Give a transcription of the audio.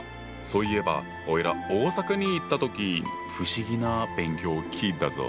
そういえばおいら大阪に行った時不思議な「勉強」を聞いたぞ！